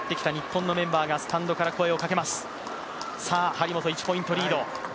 張本１ポイントリード。